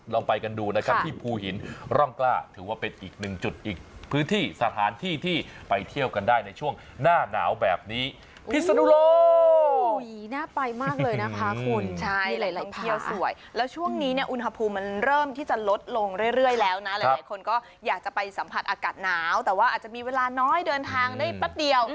ลองไปกันดูนะครับที่ภูหินร่องกล้าถือว่าเป็นอีกหนึ่งจุดอีกพื้นที่สถานที่ที่ไปเที่ยวกันได้ในช่วงหน้าหนาวแบบนี้